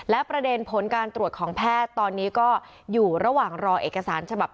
และประเด็นผลการตรวจของแพทย์ตอนนี้ก็อยู่ระหว่างรอเอกสารฉบับ